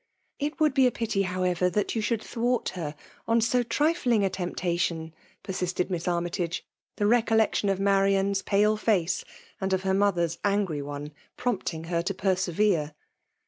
" It would be a pity, however, that you ,8houId thwart her on so trifling a temptation," persisted Miss Armytage ; the re<?ollection of Marian's pale face and of her n^other's apgry one prompting her tp persevere.